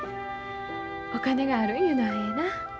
お金があるいうのはええな。